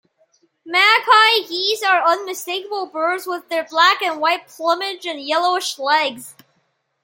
Magpie geese are unmistakable birds with their black and white plumage and yellowish legs.